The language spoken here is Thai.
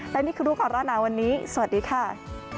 และนี่คือรู้ก่อนร้อนหนาวันนี้สวัสดีค่ะ